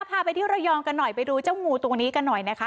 พาไปที่ระยองกันหน่อยไปดูเจ้างูตัวนี้กันหน่อยนะคะ